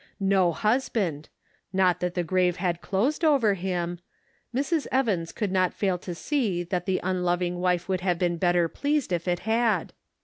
No husband ! not that the grave had closed over him. Mrs. Evans could not fail to see that the unloving wife would have been better pleased if it had.